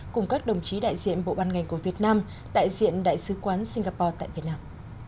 cùng các đồng chí đại diện bộ ban ngành của việt nam đại diện đại sứ quán singapore tại việt nam